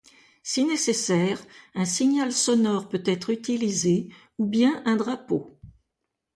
Si nécessaire, un signal sonore peut être utilisé, ou bien un drapeau.